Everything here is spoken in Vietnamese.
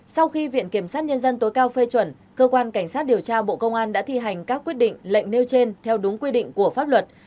sau khi viện kiểm sát nhân dân tối cao phê chuẩn cơ quan cảnh sát điều tra bộ công an đã thi hành các quyết định lệnh nêu trên theo đúng quy định của pháp luật